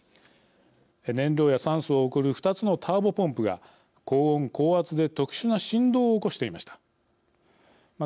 燃料や酸素を送る２つのターボポンプが高温高圧で特殊な振動を起こしていました。